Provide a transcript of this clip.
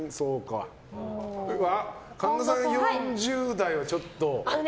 神田さんが４０台をちょっと。